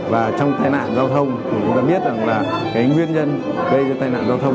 và trong tai nạn giao thông chúng ta biết là nguyên nhân gây tai nạn giao thông